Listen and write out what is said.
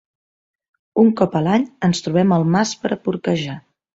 Un cop a l'any ens trobem al mas per a porquejar.